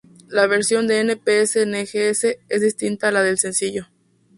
La versión de "N.p.s N.g.s" es distinta a la del sencillo.